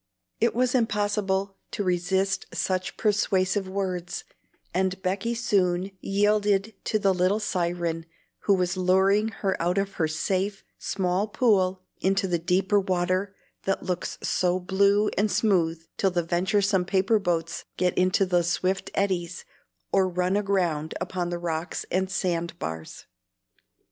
It was impossible to resist such persuasive words, and Becky soon yielded to the little siren who was luring her out of her safe, small pool into the deeper water that looks so blue and smooth till the venturesome paper boats get into the swift eddies, or run aground upon the rocks and sandbars.